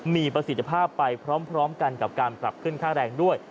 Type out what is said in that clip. มีประสิทธิภาพไปพร้อมกันกับการปรับขึ้นค่าแรงด้วย